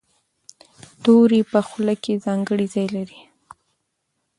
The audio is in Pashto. توری په خوله کې ځانګړی ځای لري.